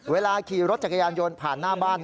เวลาขี่รถจักรยานยนต์ผ่านหน้าบ้าน